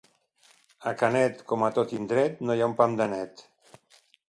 A Canet, com a tot indret, no hi ha un pam de net.